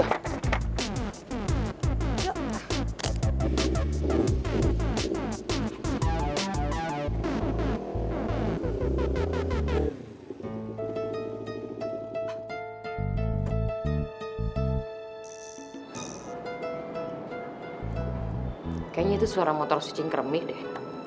kayaknya itu suara motor si cingkremi deh